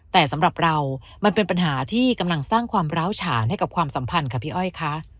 แต่สำหรับเรามันเป็นปัญหาที่กำลังสร้างความร้าวฉานให้กับความสัมพันธ์ค่ะพี่อ้อยค่ะ